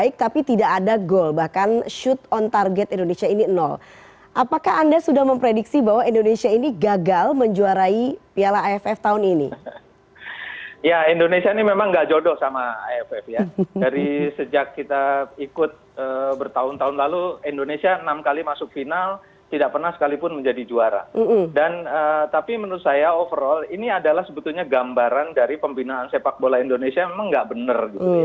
ini adalah sebetulnya gambaran dari pembinaan sepak bola indonesia memang tidak benar